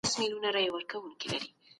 د نورو معتقداتو ته سپکاوی کول لويه ګناه ده.